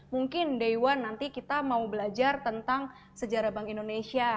mungkin dewan nanti kita mau belajar tentang sejarah bank indonesia